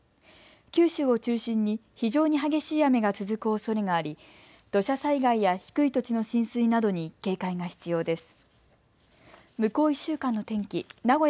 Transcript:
九州を中心に非常に激しい雨が続くおそれがあり土砂災害や低い土地の浸水などに警戒が必要です。